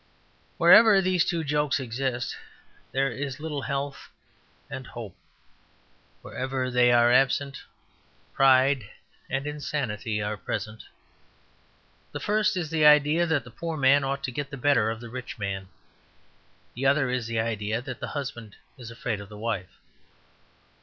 Wherever those two jokes exist there is a little health and hope; wherever they are absent, pride and insanity are present. The first is the idea that the poor man ought to get the better of the rich man. The other is the idea that the husband is afraid of the wife.